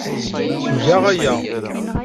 Tga aya.